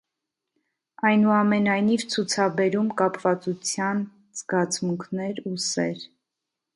Այնուամենայնիվ ցուցաբերում կապվածության զգացմունքներ ու սեր։